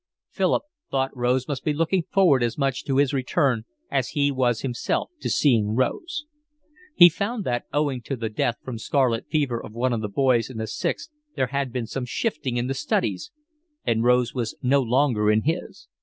Philip thought Rose must be looking forward as much to his return as he was himself to seeing Rose. He found that owing to the death from scarlet fever of one of the boys in the Sixth there had been some shifting in the studies and Rose was no longer in his.